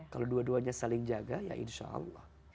kalau dua duanya saling jaga ya insya allah